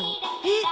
えっ？